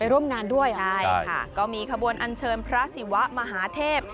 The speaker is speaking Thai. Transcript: ร่วมงานด้วยใช่ค่ะก็มีขบวนอันเชิญพระศิวะมหาเทพ